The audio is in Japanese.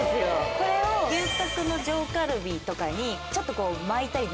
これを牛角の上カルビとかにちょっと。